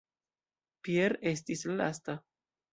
Pier estis la lasta.